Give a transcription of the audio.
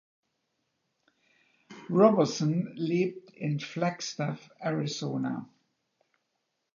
Roberson lebt in Flagstaff, Arizona.